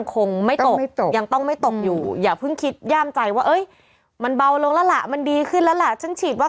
คงเห็นว่าดึงสติกันซักนิดนึงนะ